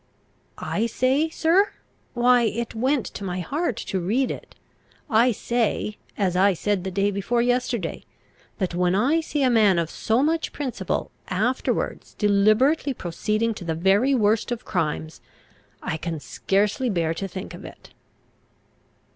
"I say, sir? why it went to my heart to read it. I say, as I said the day before yesterday, that when I see a man of so much principle afterwards deliberately proceeding to the very worst of crimes, I can scarcely bear to think of it."